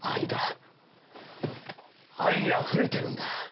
愛にあふれてるんだ。